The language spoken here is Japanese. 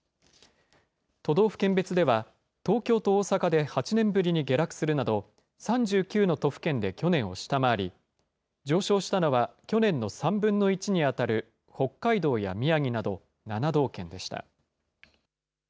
都道府県別では、東京と大阪で８年ぶりに下落するなど、３９の都府県で去年を下回り、上昇したのは去年の３分の１に当たる北海道や宮城など７道県でした。